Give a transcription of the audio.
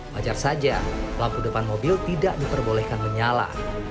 wajar saja lampu depan mobil tidak diperbolehkan menyala